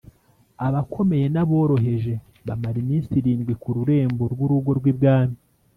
abakomeye n’aboroheje, bamara iminsi irindwi ku rurembo rw’urugo rw’ibwami